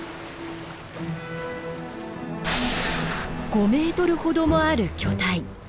５メートルほどもある巨体。